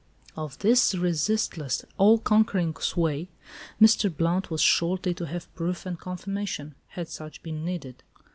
Of this resistless, all conquering sway, Mr. Blount was shortly to have proof and confirmation, had such been needed.